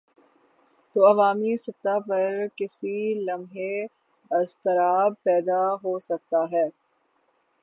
تو عوامی سطح پر کسی لمحے اضطراب پیدا ہو سکتا ہے۔